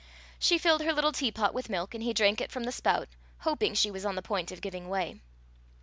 She filled her little teapot with milk, and he drank it from the spout, hoping she was on the point of giving way.